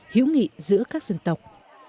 hiểu nghị giữa các dân tộc